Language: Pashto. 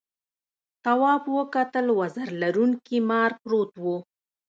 تواب وکتل وزر لرونکي مار پروت و.